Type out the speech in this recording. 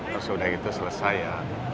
terus udah gitu selesai ya